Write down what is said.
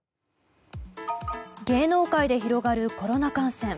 芸能界で広がるコロナ感染。